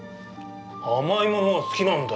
甘いものが好きなんだよ。